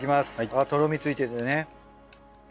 あっとろみついててね。